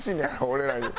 俺らに。